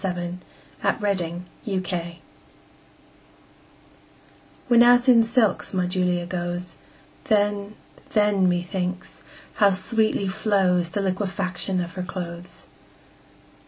Upon Julia's Clothes WHENAS in silks my Julia goes, Then, then, methinks, how sweetly flows The liquefaction of her clothes!